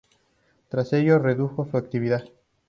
Tras ello, redujo su actividad.